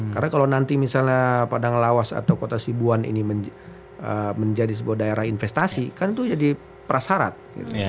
karena kalau nanti misalnya padang lawas atau kota sibuan ini menjadi sebuah daerah investasi kan itu jadi prasarat gitu ya